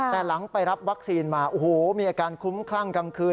แต่หลังไปรับวัคซีนมาโอ้โหมีอาการคุ้มคลั่งกลางคืน